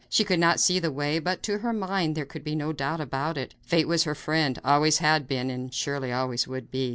She could not see the way, but, to her mind, there could be no doubt about it; fate was her friend; always had been, and surely always would be.